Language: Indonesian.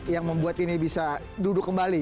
yang membuat ini bisa duduk kembali